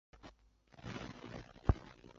清南线